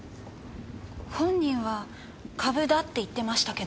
本人は「株だ」って言ってましたけど。